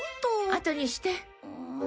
あとにして。